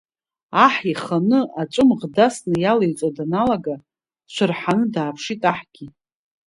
Аҳ иханы аҵәымӷ дасны иалеиҵо даналага, дцәырҳаны дааԥшит аҳгьы.